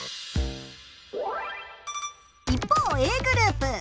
一方Ａグループ。